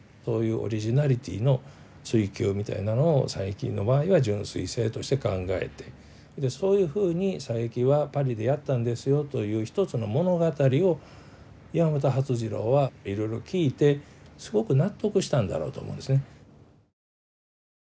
そういうオリジナリティーの追求みたいなのを佐伯の場合は純粋性として考えてそういうふうに佐伯はパリでやったんですよという一つの物語を山本發次郎はいろいろ聞いてすごく納得したんだろうと思うんですね。